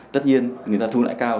tất nhiên người ta thu lãi cao